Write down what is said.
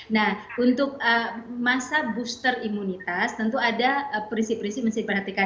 nah untuk masa booster imunitas tentu ada prinsip prinsip harus diperhatikan